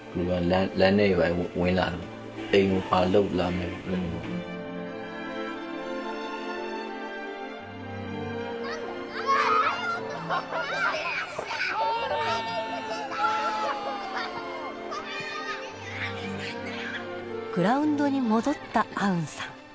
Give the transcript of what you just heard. グラウンドに戻ったアウンさん。